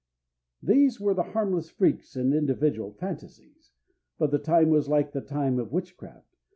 These were the harmless freaks and individual fantasies. But the time was like the time of witchcraft.